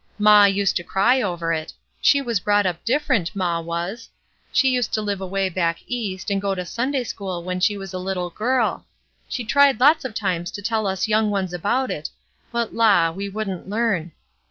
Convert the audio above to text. Maw used to cry over it; she was brought up different, maw was. She used to live away back East, and go to Sunday school when she was a Uttle girl; and she tried lots of times to tell us young ones about it, but la! we wouldn't learn.